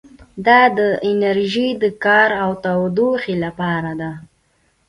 دا انرژي د کار او تودوخې لپاره ده.